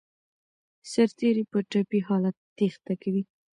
سرتیري په ټپي حالت تېښته کوي.